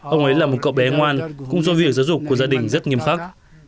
ông ấy là một cậu bé ngoan cũng do việc giáo dục của gia đình rất nghiêm khắc